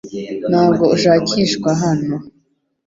Ntabwo ushakishwa hano .